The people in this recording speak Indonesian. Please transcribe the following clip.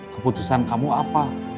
keputusan kamu apa